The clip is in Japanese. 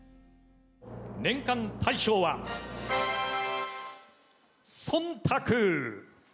年間大賞は、そんたく。